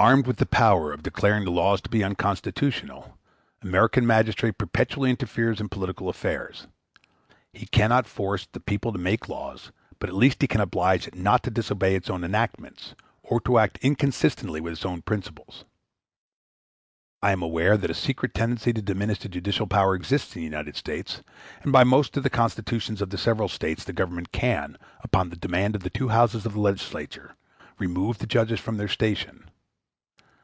Armed with the power of declaring the laws to be unconstitutional, *a the American magistrate perpetually interferes in political affairs. He cannot force the people to make laws, but at least he can oblige it not to disobey its own enactments; or to act inconsistently with its own principles. I am aware that a secret tendency to diminish the judicial power exists in the United States, and by most of the constitutions of the several States the Government can, upon the demand of the two houses of the legislature, remove the judges from their station.